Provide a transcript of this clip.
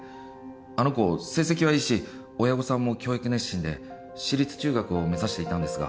あの子成績はいいし親御さんも教育熱心で私立中学を目指していたんですが。